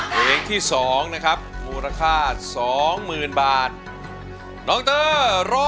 หลงใจหลงใจหลงใจหลงใจหลงใจ